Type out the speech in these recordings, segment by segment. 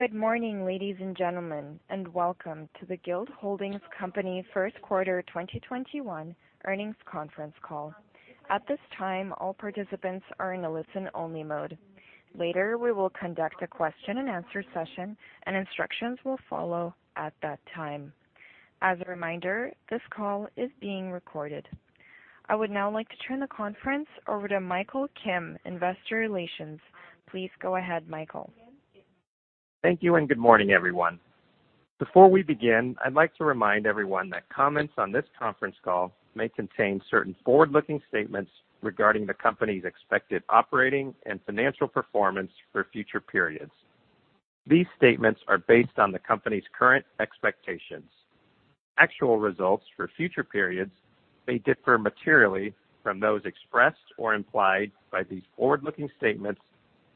Good morning, ladies and gentlemen, and welcome to the Guild Holdings Company first quarter 2021 earnings conference call. At this time, all participants are in a listen-only mode. Later, we will conduct a question and answer session, and instructions will follow at that time. As a reminder, this call is being recorded. I would now like to turn the conference over to Michael Kim, investor relations. Please go ahead, Michael. Thank you, and good morning, everyone. Before we begin, I'd like to remind everyone that comments on this conference call may contain certain forward-looking statements regarding the company's expected operating and financial performance for future periods. These statements are based on the company's current expectations. Actual results for future periods may differ materially from those expressed or implied by these forward-looking statements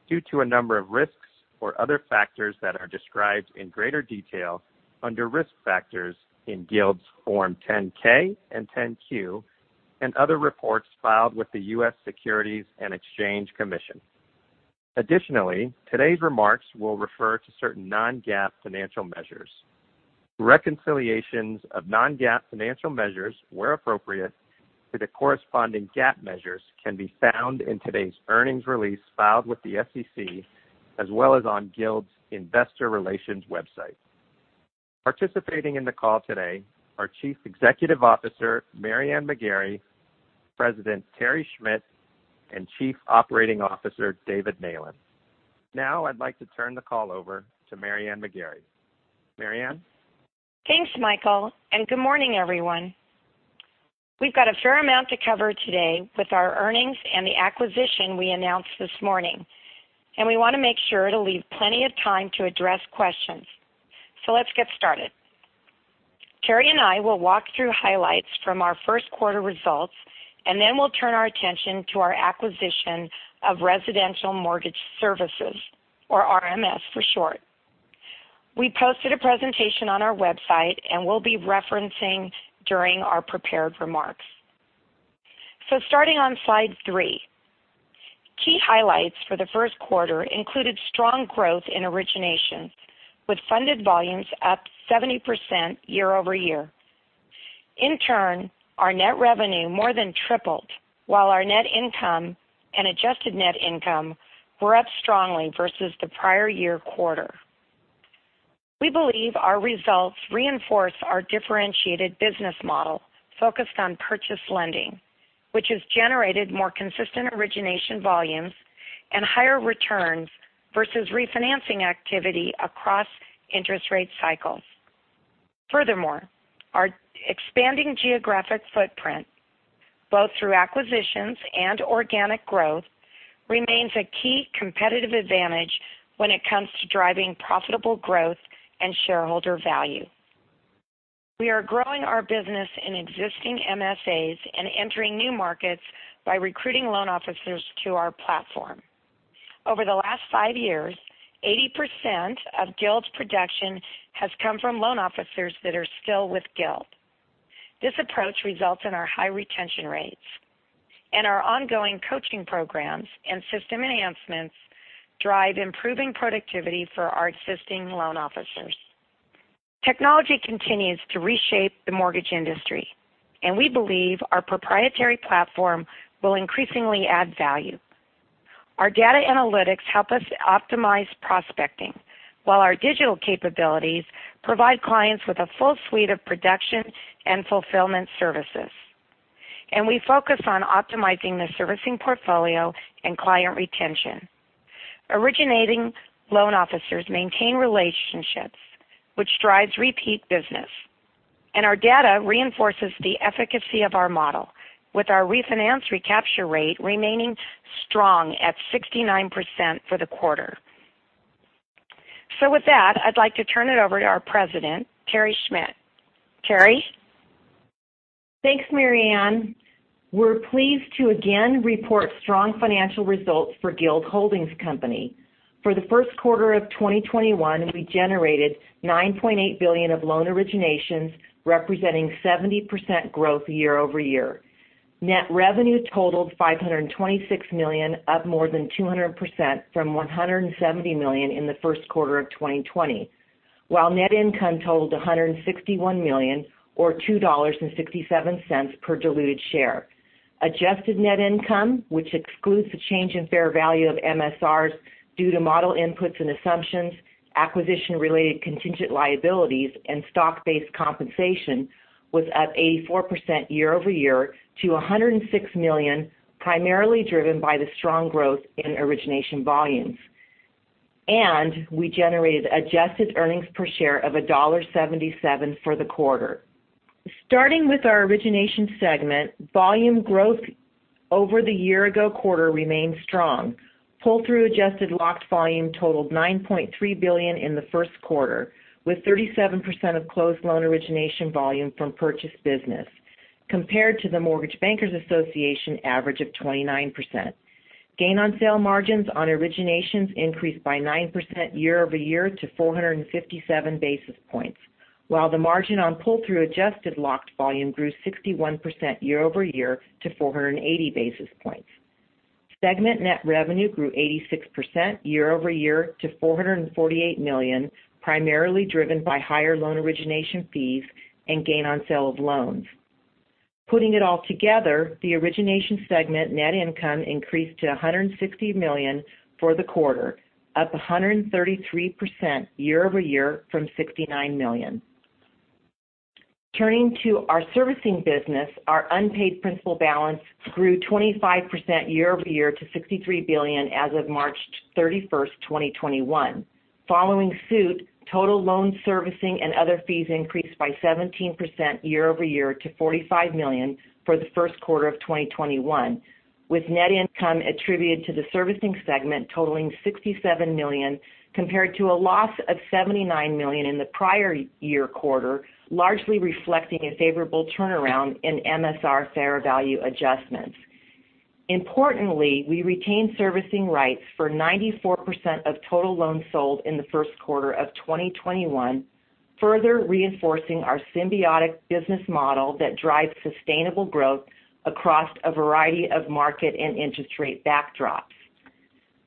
due to a number of risks or other factors that are described in greater detail under Risk Factors in Guild's Form 10-K and 10-Q, and other reports filed with the U.S. Securities and Exchange Commission. Additionally, today's remarks will refer to certain non-GAAP financial measures. Reconciliations of non-GAAP financial measures, where appropriate, to the corresponding GAAP measures can be found in today's earnings release filed with the SEC, as well as on Guild's investor relations website. Participating in the call today are Chief Executive Officer, Mary Ann McGarry, President, Terry Schmidt, and Chief Operating Officer, David Neylan. I'd like to turn the call over to Mary Ann McGarry. Mary Ann? Thanks, Michael. Good morning, everyone. We've got a fair amount to cover today with our earnings and the acquisition we announced this morning. We want to make sure to leave plenty of time to address questions. Let's get started. Terry and I will walk through highlights from our first quarter results. Then we'll turn our attention to our acquisition of Residential Mortgage Services, or RMS for short. We posted a presentation on our website and we'll be referencing during our prepared remarks. starting on Slide three. Key highlights for the first quarter included strong growth in originations, with funded volumes up 70% year-over-year. In turn, our net revenue more than tripled, while our net income and adjusted net income were up strongly versus the prior-year quarter. We believe our results reinforce our differentiated business model focused on purchase lending, which has generated more consistent origination volumes and higher returns versus refinancing activity across interest rate cycles. Furthermore, our expanding geographic footprint, both through acquisitions and organic growth, remains a key competitive advantage when it comes to driving profitable growth and shareholder value. We are growing our business in existing MSAs and entering new markets by recruiting loan officers to our platform. Over the last five years, 80% of Guild's production has come from loan officers that are still with Guild. This approach results in our high retention rates, and our ongoing coaching programs and system enhancements drive improving productivity for our existing loan officers. Technology continues to reshape the mortgage industry, and we believe our proprietary platform will increasingly add value. Our data analytics help us optimize prospecting, while our digital capabilities provide clients with a full suite of production and fulfillment services. We focus on optimizing the servicing portfolio and client retention. Originating loan officers maintain relationships, which drives repeat business. Our data reinforces the efficacy of our model, with our refinance recapture rate remaining strong at 69% for the quarter. With that, I'd like to turn it over to our President, Terry Schmidt. Terry? Thanks, Mary Ann. We're pleased to again report strong financial results for Guild Holdings Company. For the first quarter of 2021, we generated $9.8 billion of loan originations, representing 70% growth year-over-year. Net revenue totaled $526 million, up more than 200% from $170 million in the first quarter of 2020, while net income totaled $161 million, or $2.67 per diluted share. Adjusted net income, which excludes the change in fair value of MSRs due to model inputs and assumptions, acquisition-related contingent liabilities, and stock-based compensation, was up 84% year-over-year to $106 million, primarily driven by the strong growth in origination volumes. We generated adjusted earnings per share of $1.77 for the quarter. starting with our origination segment, volume growth over the year-ago quarter remained strong. Pull-through adjusted locked volume totaled $9.3 billion in the first quarter, with 37% of closed loan origination volume from purchase business, compared to the Mortgage Bankers Association average of 29%. Gain-on-sale margins on originations increased by 9% year-over-year to 457 basis points, while the margin on pull-through adjusted locked volume grew 61% year-over-year to 480 basis points. Segment net revenue grew 86% year-over-year to $448 million, primarily driven by higher loan origination fees and gain on sale of loans. Putting it all together, the origination segment net income increased to $160 million for the quarter, up 133% year-over-year from $69 million. Turning to our servicing business, our unpaid principal balance grew 25% year-over-year to $63 billion as of March 31st, 2021. Following suit, total loan servicing and other fees increased by 17% year-over-year to $45 million for the first quarter of 2021, with net income attributed to the servicing segment totaling $67 million, compared to a loss of $79 million in the prior year quarter, largely reflecting a favorable turnaround in MSR fair value adjustments. Importantly, we retained servicing rights for 94% of total loans sold in the first quarter of 2021, further reinforcing our symbiotic business model that drives sustainable growth across a variety of market and interest rate backdrops.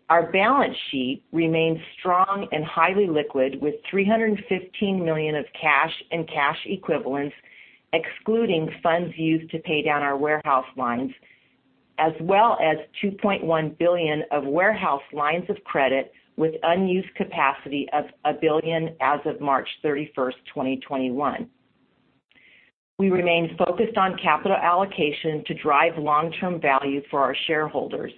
Our balance sheet remains strong and highly liquid, with $315 million of cash and cash equivalents, excluding funds used to pay down our warehouse lines, as well as $2.1 billion of warehouse lines of credit with unused capacity of $1 billion as of March 31st, 2021. We remain focused on capital allocation to drive long-term value for our shareholders.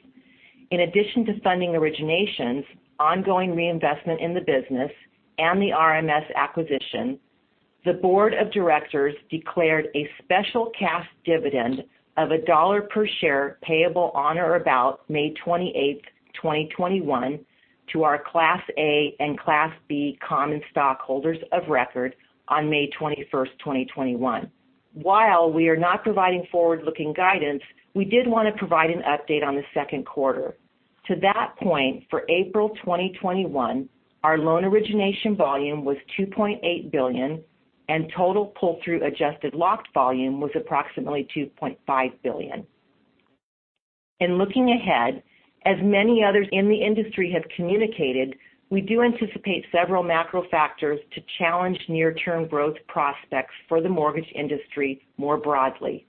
In addition to funding originations, ongoing reinvestment in the business, and the RMS acquisition, the board of directors declared a special cash dividend of $1 per share payable on or about May 28th, 2021, to our Class A and Class B common stockholders of record on May 21st, 2021. While we are not providing forward-looking guidance, we did want to provide an update on the second quarter. To that point, for April 2021, our loan origination volume was $2.8 billion and total pull-through adjusted locked volume was approximately $2.5 billion. In looking ahead, as many others in the industry have communicated, we do anticipate several macro factors to challenge near-term growth prospects for the mortgage industry more broadly.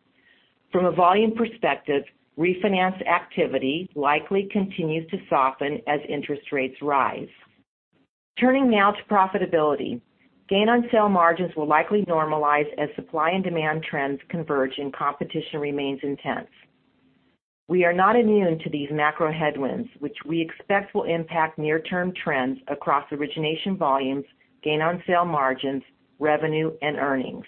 From a volume perspective, refinance activity likely continues to soften as interest rates rise. Turning now to profitability, gain on sale margins will likely normalize as supply and demand trends converge and competition remains intense. We are not immune to these macro headwinds, which we expect will impact near-term trends across origination volumes, gain on sale margins, revenue, and earnings.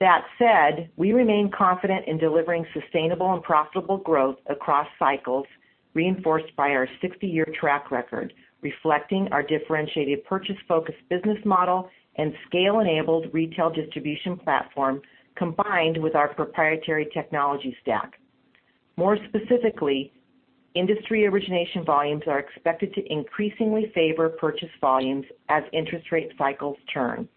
That said, we remain confident in delivering sustainable and profitable growth across cycles, reinforced by our 60-year track record, reflecting our differentiated purchase-focused business model and scale-enabled retail distribution platform, combined with our proprietary technology stack. More specifically, industry origination volumes are expected to increasingly favor purchase volumes as interest rate cycles turn.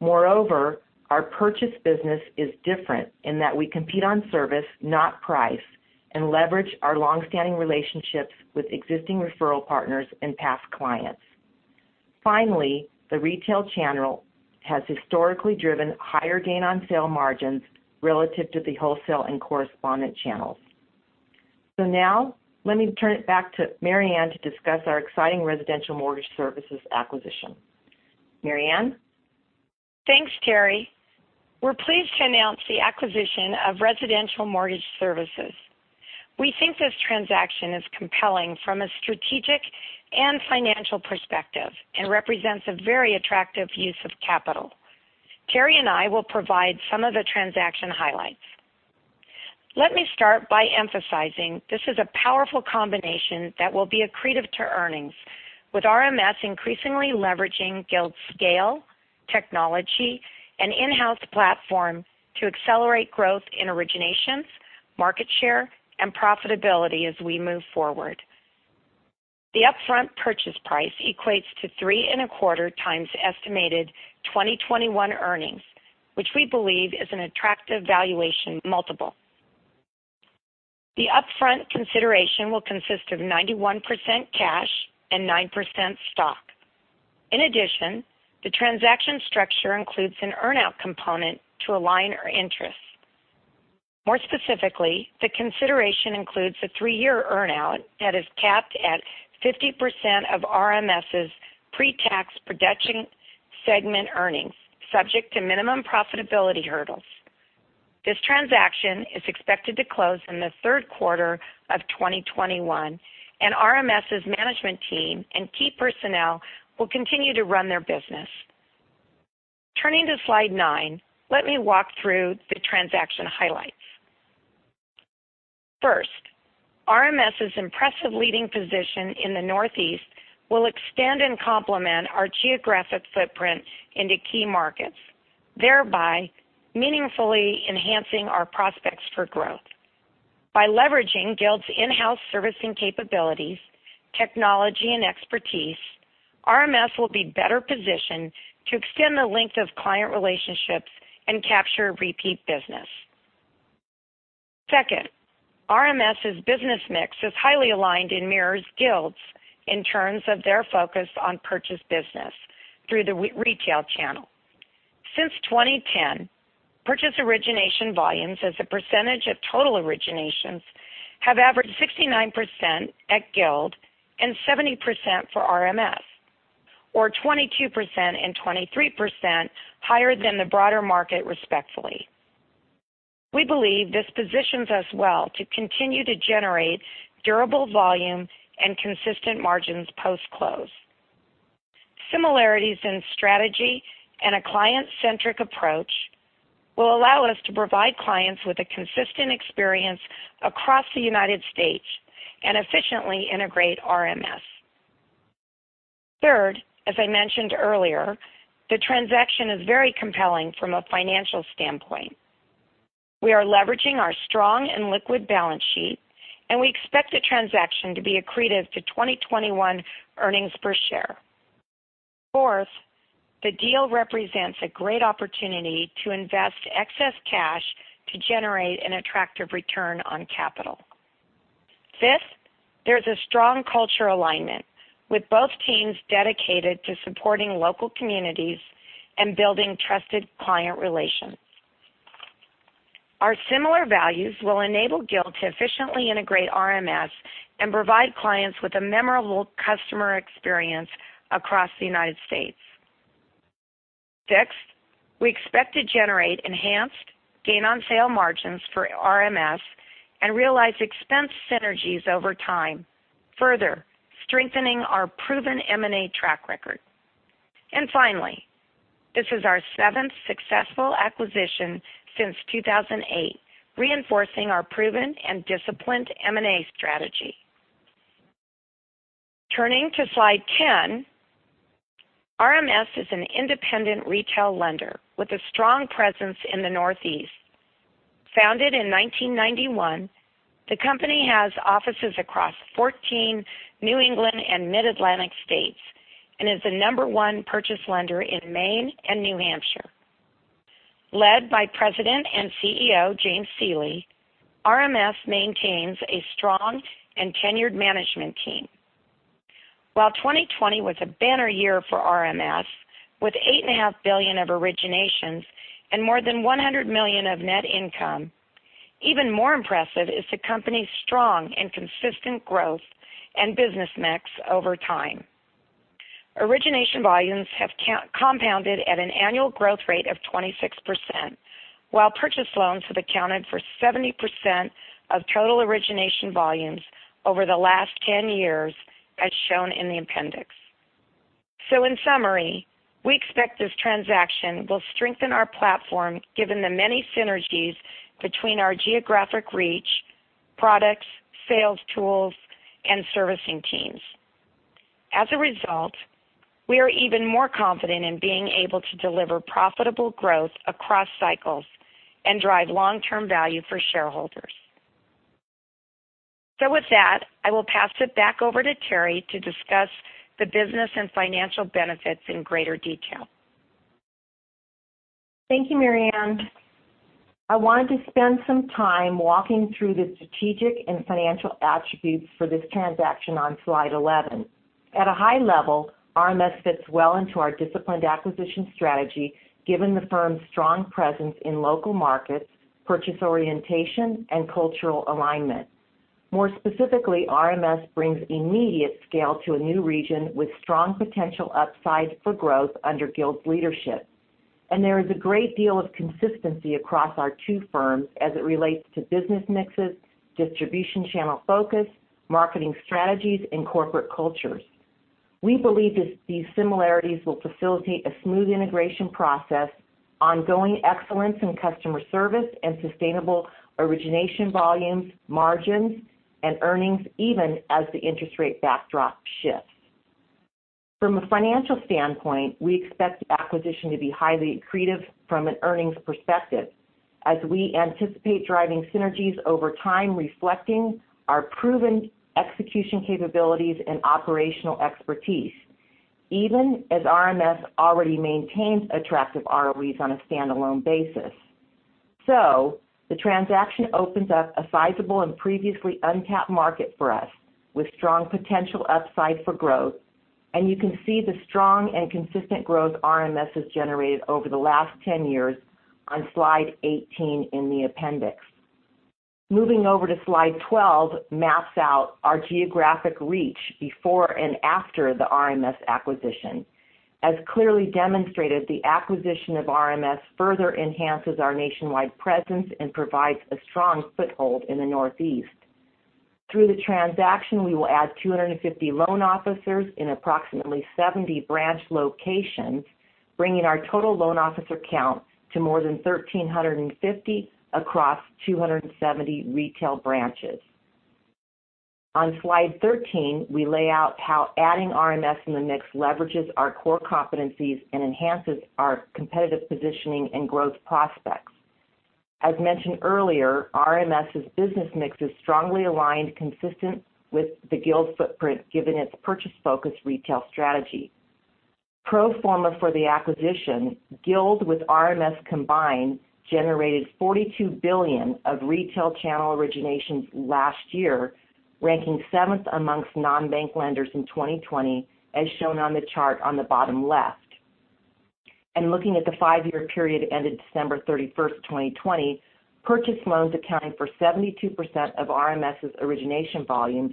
Moreover, our purchase business is different in that we compete on service, not price, and leverage our long-standing relationships with existing referral partners and past clients. Finally, the retail channel has historically driven higher gain on sale margins relative to the wholesale and correspondent channels. Now let me turn it back to Mary Ann to discuss our exciting Residential Mortgage Services acquisition. Mary Ann? Thanks, Terry. We're pleased to announce the acquisition of Residential Mortgage Services. We think this transaction is compelling from a strategic and financial perspective and represents a very attractive use of capital. Terry and I will provide some of the transaction highlights. Let me start by emphasizing this is a powerful combination that will be accretive to earnings, with RMS increasingly leveraging Guild's scale, technology, and in-house platform to accelerate growth in originations, market share, and profitability as we move forward. The upfront purchase price equates to three and a quarter times the estimated 2021 earnings, which we believe is an attractive valuation multiple. The upfront consideration will consist of 91% cash and 9% stock. In addition, the transaction structure includes an earn-out component to align our interests. More specifically, the consideration includes a three-year earn-out that is capped at 50% of RMS's pre-tax production segment earnings, subject to minimum profitability hurdles. This transaction is expected to close in the third quarter of 2021, and RMS's management team and key personnel will continue to run their business. Turning to Slide nine, let me walk through the transaction highlights. First, RMS's impressive leading position in the Northeast will extend and complement our geographic footprint into key markets, thereby meaningfully enhancing our prospects for growth. By leveraging Guild's in-house servicing capabilities, technology, and expertise RMS will be better positioned to extend the length of client relationships and capture repeat business. Second, RMS's business mix is highly aligned and mirrors Guild's in terms of their focus on purchase business through the retail channel. Since 2010, purchase origination volumes as a percentage of total originations have averaged 69% at Guild and 70% for RMS, or 22% and 23% higher than the broader market respectively. We believe this positions us well to continue to generate durable volume and consistent margins post-close. Similarities in strategy and a client-centric approach will allow us to provide clients with a consistent experience across the United States and efficiently integrate RMS. Third, as I mentioned earlier, the transaction is very compelling from a financial standpoint. We are leveraging our strong and liquid balance sheet, and we expect the transaction to be accretive to 2021 earnings per share. Fourth, the deal represents a great opportunity to invest excess cash to generate an attractive return on capital. Fifth, there's a strong cultural alignment, with both teams dedicated to supporting local communities and building trusted client relations. Our similar values will enable Guild to efficiently integrate RMS and provide clients with a memorable customer experience across the United States. Sixth, we expect to generate enhanced gain on sale margins for RMS and realize expense synergies over time, further strengthening our proven M&A track record. Finally, this is our seventh successful acquisition since 2008, reinforcing our proven and disciplined M&A strategy. Turning to Slide 10, RMS is an independent retail lender with a strong presence in the Northeast. Founded in 1991, the company has offices across 14 New England and Mid-Atlantic states and is the number one purchase lender in Maine and New Hampshire. Led by President and CEO James Seely, RMS maintains a strong and tenured management team. While 2020 was a banner year for RMS, with $8.5 billion of originations and more than $100 million of net income, even more impressive is the company's strong and consistent growth and business mix over time. Origination volumes have compounded at an annual growth rate of 26%, while purchase loans have accounted for 70% of total origination volumes over the last 10 years, as shown in the appendix. In summary, we expect this transaction will strengthen our platform given the many synergies between our geographic reach, products, sales tools, and servicing teams. As a result, we are even more confident in being able to deliver profitable growth across cycles and drive long-term value for shareholders. With that, I will pass it back over to Terry to discuss the business and financial benefits in greater detail. Thank you, Mary Ann McGarry. I wanted to spend some time walking through the strategic and financial attributes for this transaction on Slide 11. At a high level, RMS fits well into our disciplined acquisition strategy, given the firm's strong presence in local markets, purchase orientation, and cultural alignment. More specifically, RMS brings immediate scale to a new region with strong potential upside for growth under Guild's leadership. There is a great deal of consistency across our two firms as it relates to business mixes, distribution channel focus, marketing strategies, and corporate cultures. We believe these similarities will facilitate a smooth integration process, ongoing excellence in customer service, and sustainable origination volumes, margins, and earnings even as the interest rate backdrop shifts. From a financial standpoint, we expect the acquisition to be highly accretive from an earnings perspective as we anticipate driving synergies over time, reflecting our proven execution capabilities and operational expertise, even as RMS already maintains attractive ROEs on a standalone basis. The transaction opens up a sizable and previously untapped market for us with strong potential upside for growth, and you can see the strong and consistent growth RMS has generated over the last 10 years on Slide 18 in the appendix. Moving over to Slide 12 maps out our geographic reach before and after the RMS acquisition. As clearly demonstrated, the acquisition of RMS further enhances our nationwide presence and provides a strong foothold in the Northeast. Through the transaction, we will add 250 loan officers in approximately 70 branch locations, bringing our total loan officer count to more than 1,350 across 270 retail branches. On Slide 13, we lay out how adding RMS in the mix leverages our core competencies and enhances our competitive positioning and growth prospects. As mentioned earlier, RMS's business mix is strongly aligned consistent with the Guild footprint given its purchase-focused retail strategy. Pro forma for the acquisition, Guild with RMS combined generated $42 billion of retail channel originations last year, ranking seventh amongst non-bank lenders in 2020, as shown on the chart on the bottom left. Looking at the five-year period ended December 31st, 2020, purchase loans accounted for 72% of RMS's origination volumes,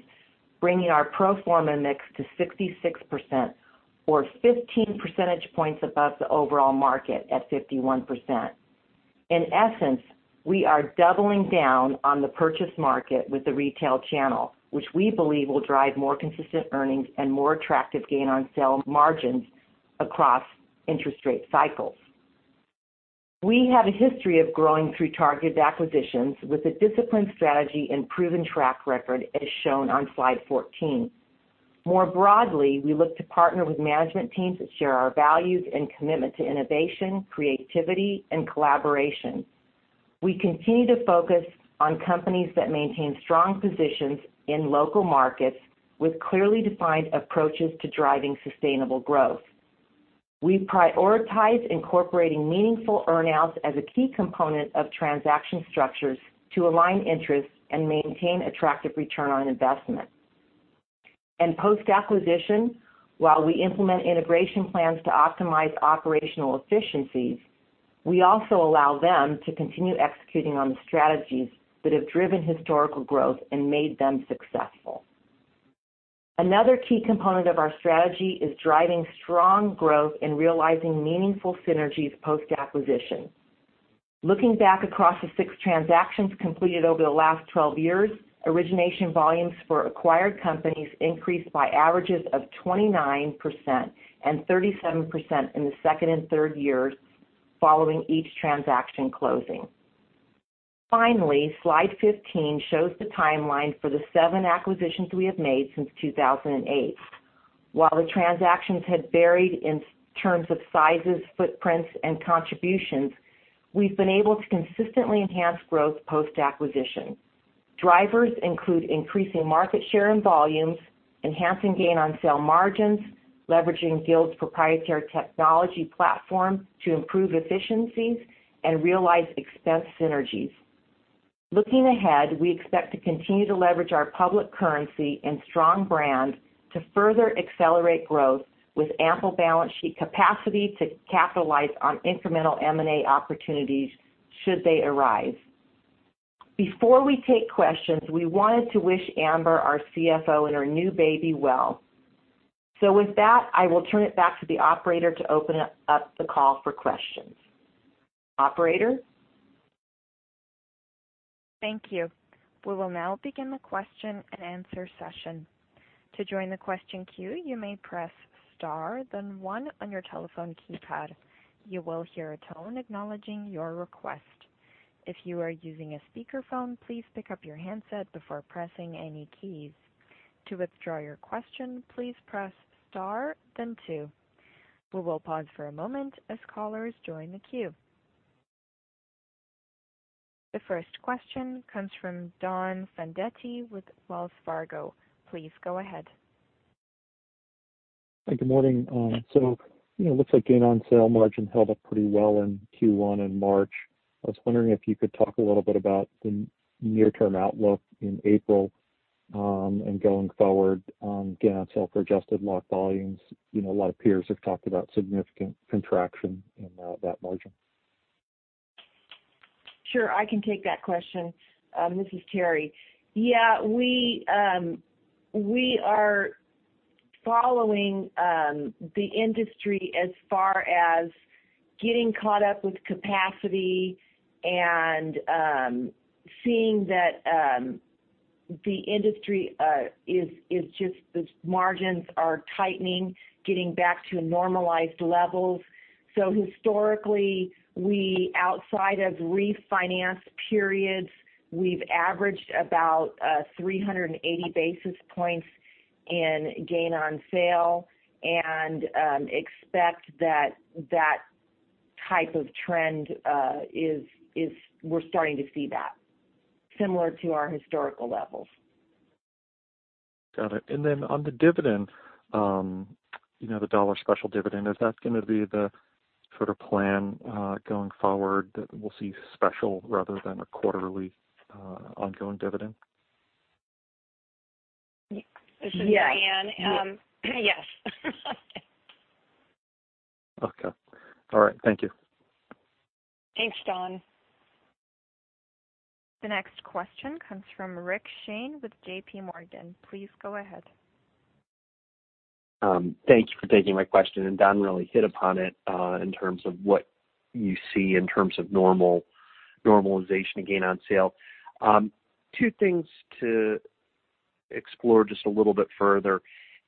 bringing our pro forma mix to 66%, or 15 percentage points above the overall market at 51%. In essence, we are doubling down on the purchase market with the retail channel, which we believe will drive more consistent earnings and more attractive gain on sale margins across interest rate cycles. We have a history of growing through targeted acquisitions with a disciplined strategy and proven track record, as shown on Slide 14. More broadly, we look to partner with management teams that share our values and commitment to innovation, creativity, and collaboration. We continue to focus on companies that maintain strong positions in local markets with clearly defined approaches to driving sustainable growth. We prioritize incorporating meaningful earn-outs as a key component of transaction structures to align interests and maintain attractive return on investment. Post-acquisition, while we implement integration plans to optimize operational efficiencies, we also allow them to continue executing on strategies that have driven historical growth and made them successful. Another key component of our strategy is driving strong growth and realizing meaningful synergies post-acquisition. Looking back across the six transactions completed over the last 12 years, origination volumes for acquired companies increased by averages of 29% and 37% in the second and third years following each transaction closing. Finally, Slide 15 shows the timeline for the seven acquisitions we have made since 2008. While the transactions have varied in terms of sizes, footprints, and contributions, we've been able to consistently enhance growth post-acquisition. Drivers include increasing market share and volumes, enhancing gain on sale margins, leveraging Guild's proprietary technology platform to improve efficiencies and realize expense synergies. Looking ahead, we expect to continue to leverage our public currency and strong brand to further accelerate growth with ample balance sheet capacity to capitalize on incremental M&A opportunities should they arise. Before we take questions, we wanted to wish Amber, our CFO, and her new baby well. With that, I will turn it back to the operator to open up the call for questions. Operator? Thank you. We will now begin the question and answer session. To join the question queue, you may press Star then one on your telephone keypad. You will hear a tone acknowledging your request. If you are using a speakerphone, please pick up your handset before pressing any keys. To withdraw your question, please press Star then two. We will pause for a moment as callers join the queue. The first question comes from Don Fandetti with Wells Fargo. Please go ahead. Good morning. It looks like gain on sale margins held up pretty well in Q1 in March. I was wondering if you could talk a little bit about the near-term outlook in April and going forward gain on sale for adjusted lock volumes. A lot of peers have talked about significant contraction in that margin. Sure. I can take that question. This is Carrie. Yeah, we are following the industry as far as getting caught up with capacity and seeing that the industry margins are tightening, getting back to normalized levels. Historically, outside of refinance periods, we've averaged about 380 basis points in gain on sale and expect that type of trend, we're starting to see that similar to our historical levels. Got it. Then on the dividend, the dollar special dividend, is that going to be the sort of plan going forward that we'll see special rather than a quarterly ongoing dividend? Yeah. Yes. Okay. All right. Thank you. Thanks, Don. The next question comes from Rick Shane with J.P. Morgan. Please go ahead. Thanks for taking my question. Don really hit upon it in terms of what you see in terms of normalization gain on sale. Two things to explore just a little bit further.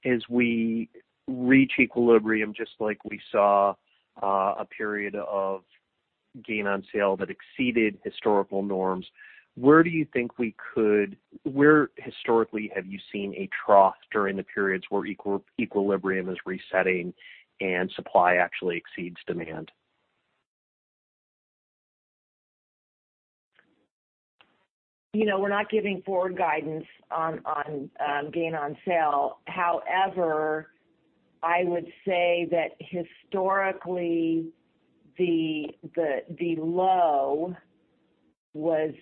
As we reach equilibrium, just like we saw a period of gain on sale that exceeded historical norms, where historically have you seen a trough during the periods where equilibrium is resetting and supply actually exceeds demand? We're not giving forward guidance on gain on sale. I would say that historically, the low was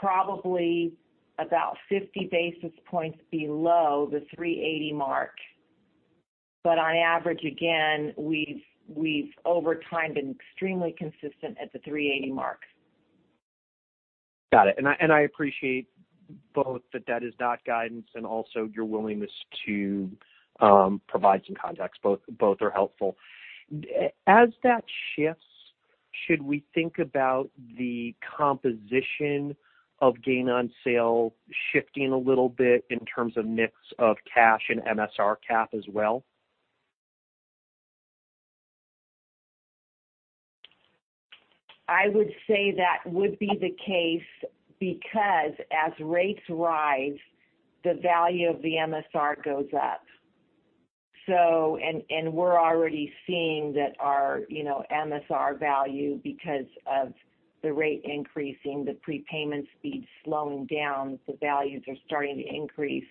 probably about 50 basis points below the 380 mark. On average, again, we've over time been extremely consistent at the 380 mark. Got it. I appreciate both that that is dot guidance and also your willingness to provide some context. Both are helpful. As that shifts, should we think about the composition of gain on sale shifting a little bit in terms of mix of cash and MSR cap as well? I would say that would be the case because as rates rise, the value of the MSR goes up. We're already seeing that our MSR value, because of the rate increasing, the prepayment speed slowing down, the values are starting to increase.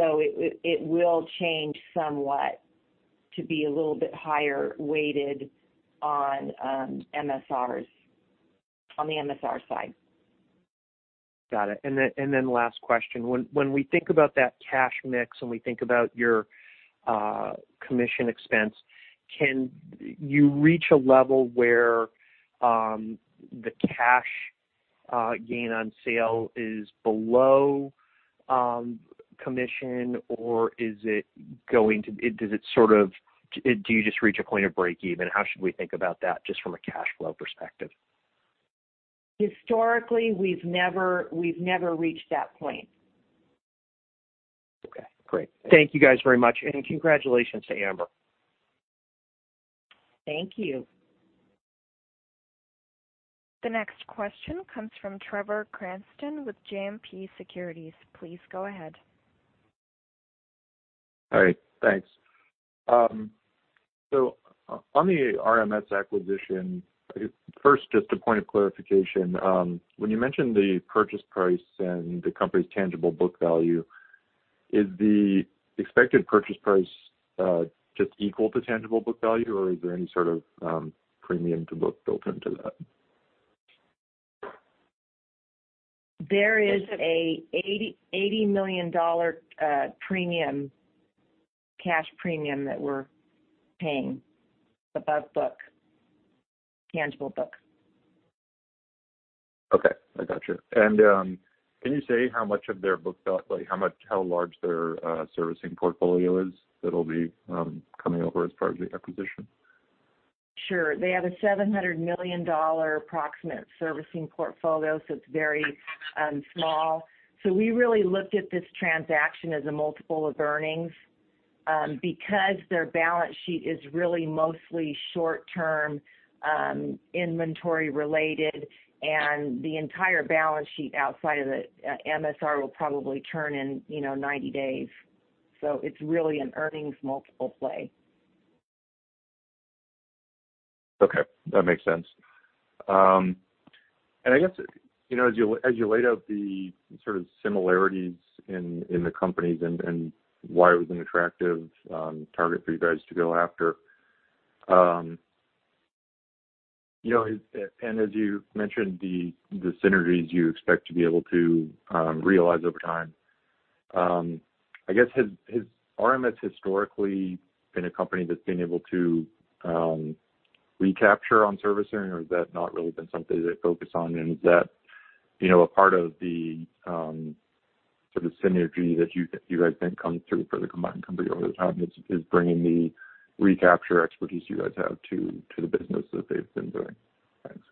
It will change somewhat to be a little bit higher weighted on the MSR side. Got it. Last question. When we think about that cash mix and we think about your commission expense, can you reach a level where the cash gain on sale is below commission or do you just reach a point of breakeven? How should we think about that just from a cash flow perspective? Historically, we've never reached that point. Okay, great. Thank you guys very much, and congratulations to Amber. Thank you. The next question comes from Trevor Cranston with JMP Securities. Please go ahead. Hi, thanks. On the RMS acquisition, first, just a point of clarification. When you mentioned the purchase price and the company's tangible book value, is the expected purchase price just equal to tangible book value, or is there any sort of premium to book built into that? There is a $80 million cash premium that we're paying above tangible book. Okay, I got you. Can you say how much of their book value, how large their servicing portfolio is that'll be coming over as part of the acquisition? Sure. They have a $700 million approximate servicing portfolio, so it is very small. So we really looked at this transaction as a multiple of earnings, because their balance sheet is really mostly short-term inventory related, and the entire balance sheet outside of the MSR will probably turn in 90 days. So it is really an earnings multiple play. Okay. That makes sense. I guess, as you laid out the similarities in the companies and why it was an attractive target for you guys to go after. As you mentioned, the synergies you expect to be able to realize over time. I guess, has RMS historically been a company that's been able to recapture on servicing, or has that not really been something they focus on? Is that a part of the synergy that you guys think comes through for the combined company over time, is bringing the recapture expertise you guys have to the business that they've been doing? Thanks.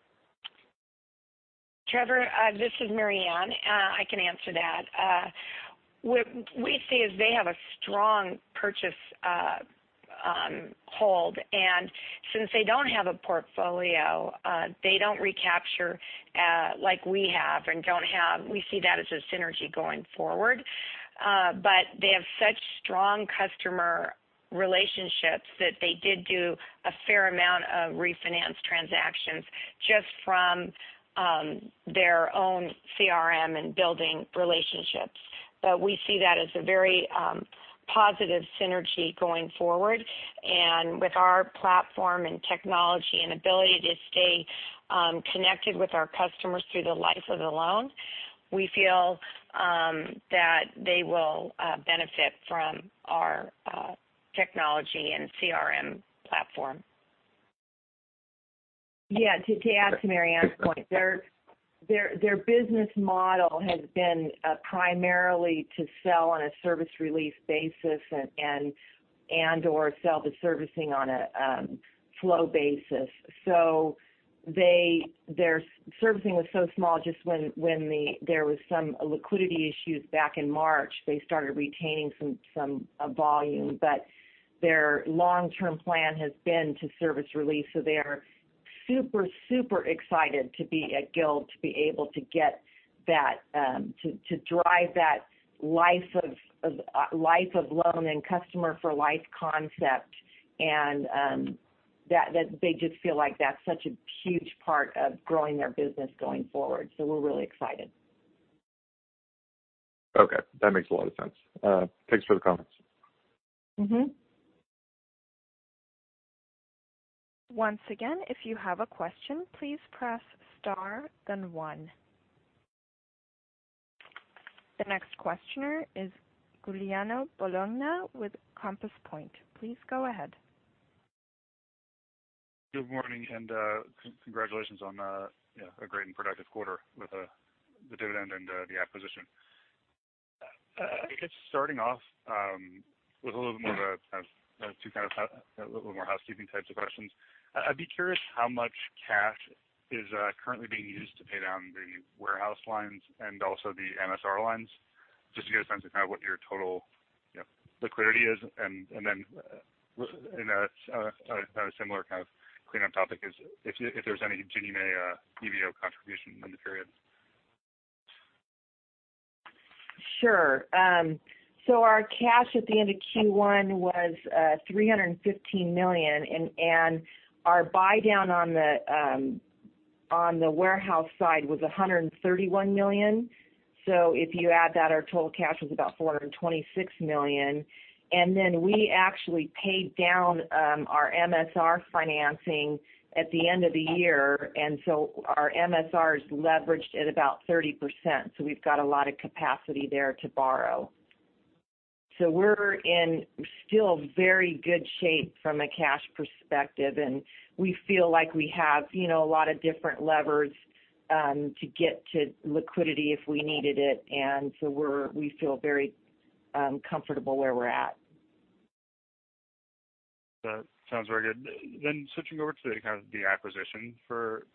Trevor Cranston, this is Mary Ann McGarry. I can answer that. What we see is they have a strong purchase hold, and since they don't have a portfolio, they don't recapture like we have. We see that as a synergy going forward. They have such strong customer relationships that they did do a fair amount of refinance transactions just from their own CRM and building relationships. We see that as a very positive synergy going forward. With our platform and technology and ability to stay connected with our customers through the life of the loan, we feel that they will benefit from our technology and CRM platform. To add to Mary Ann's point, their business model has been primarily to sell on a service release basis and/or sell the servicing on a flow basis. Their servicing was so small just when there was some liquidity issues back in March, they started retaining some volume. Their long-term plan has been to service release. They are super excited to be at Guild to be able to drive that life of loan and customer for life concept. That they just feel like that's such a huge part of growing their business going forward. We're really excited. Okay. That makes a lot of sense. Thanks for the comments. Once again, if you have a question, please press Star then one. The next questioner is Giuliano Bologna with Compass Point. Please go ahead. Good morning. Congratulations on a great and productive quarter with the dividend and the acquisition. I guess starting off with a little bit more of a little more housekeeping types of questions. I'd be curious how much cash is currently being used to pay down the warehouse lines and also the MSR lines, just to get a sense of kind of what your total liquidity is and then, in a similar kind of cleanup topic is if there's any Ginnie Mae EBO contribution in the period. Sure. Our cash at the end of Q1 was $315 million, and our buy-down on the warehouse side was $131 million. If you add that, our total cash was about $426 million. We actually paid down our MSR financing at the end of the year. Our MSR is leveraged at about 30%, so we've got a lot of capacity there to borrow. We're in still very good shape from a cash perspective, and we feel like we have a lot of different levers to get to liquidity if we needed it. We feel very comfortable where we're at. That sounds very good. Switching over to the kind of the acquisition for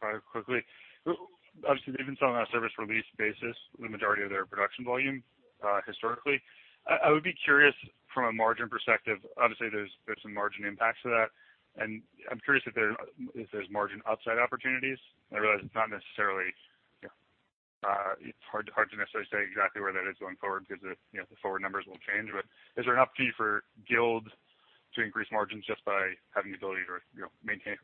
probably quickly. Obviously, they've been selling on a service release basis, the majority of their production volume historically. I would be curious from a margin perspective, obviously there's some margin impacts to that, and I'm curious if there's margin upside opportunities. I realize it's hard to necessarily say exactly where that is going forward because the forward numbers will change. Is there an opportunity for Guild to increase margins just by having the ability to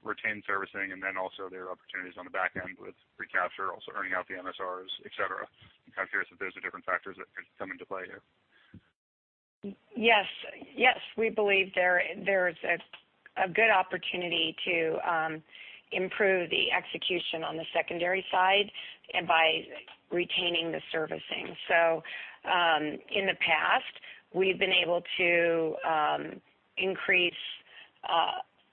retain servicing and then also there are opportunities on the back end with recapture, also earning out the MSRs, et cetera? I'm kind of curious if those are different factors that could come into play here. Yes. We believe there's a good opportunity to improve the execution on the secondary side and by retaining the servicing. In the past, we've been able to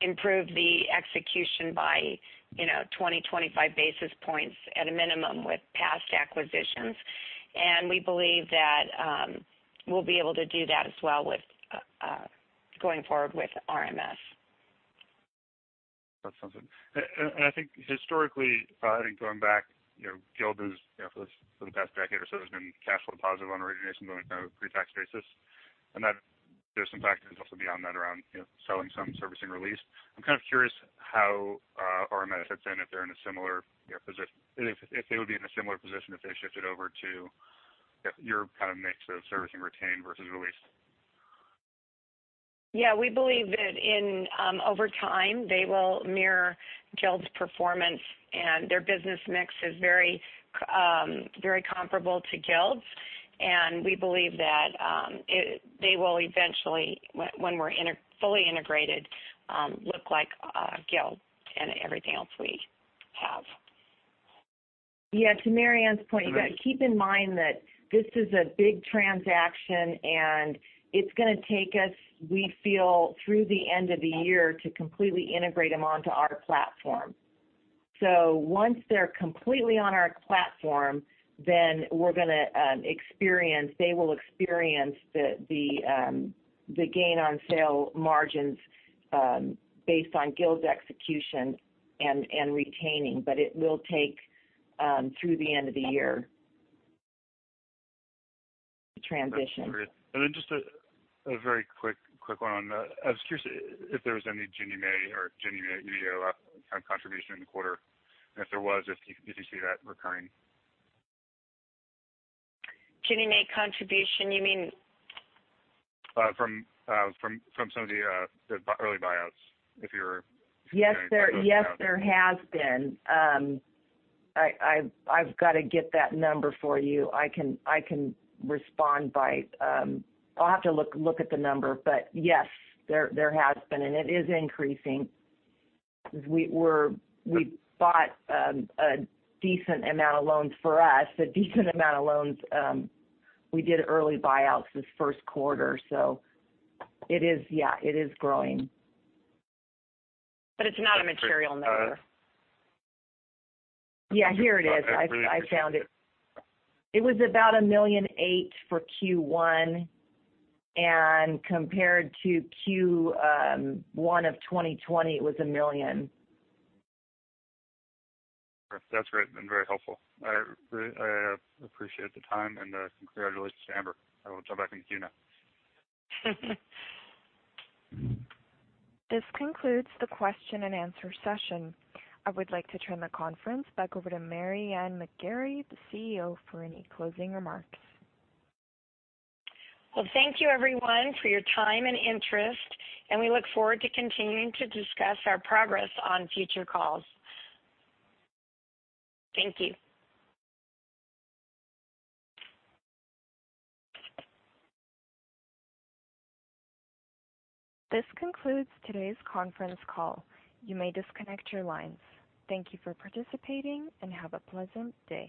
improve the execution by 20-25 basis points at a minimum with past acquisitions. We believe that we'll be able to do that as well with going forward with RMS. That's something. I think historically, I think going back, Guild has, for the past decade or so, has been cash flow positive on originations on a pre-tax basis, and that there's some factors also beyond that around selling some service release. I'm kind of curious how RMS fits in, if they would be in a similar position if they shifted over to your kind of mix of servicing retained versus released. We believe that over time they will mirror Guild's performance and their business mix is very comparable to Guild's. We believe that they will eventually, when we're fully integrated, look like Guild and everything else we have. Yeah, to Maryann's point, you got to keep in mind that this is a big transaction and it's going to take us, we feel, through the end of the year to completely integrate them onto our platform. Once they're completely on our platform, they will experience the gain on sale margins based on Guild's execution and retaining. It will take through the end of the year to transition. Just a very quick one on, I was curious if there was any Ginnie Mae or Ginnie Mae EBO kind of contribution in the quarter. If there was, if you see that recurring. Ginnie Mae contribution, you mean? From some of the early buyouts. Yes, there has been. I've got to get that number for you. I'll have to look at the number, but yes, there has been, and it is increasing because we bought a decent amount of loans for us. We did early buyouts this first quarter. It is, yeah, it is growing. It's not a material number. Yeah, here it is. I found it. It was about $1.8 million for Q1, and compared to Q1 of 2020, it was $1 million. That's great and very helpful. I appreciate the time and congratulations to Amber. I will jump back in queue now. This concludes the question and answer session. I would like to turn the conference back over to Mary Ann McGarry, the CEO, for any closing remarks. Thank you, everyone, for your time and interest, and we look forward to continuing to discuss our progress on future calls. Thank you. This concludes today's conference call. You may disconnect your lines. Thank you for participating, and have a pleasant day.